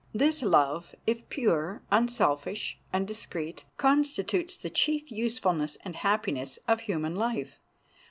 This love, if pure, unselfish, and discreet, constitutes the chief usefulness and happiness of human life.